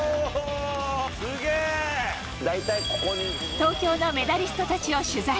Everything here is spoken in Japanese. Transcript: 東京のメダリストたちを取材。